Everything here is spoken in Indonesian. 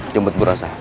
jemput gue rasa